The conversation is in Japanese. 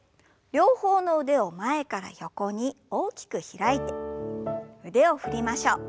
両方の腕を前から横に大きく開いて腕を振りましょう。